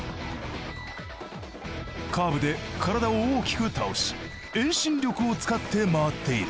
カーブで体を大きく倒し遠心力を使って回っている。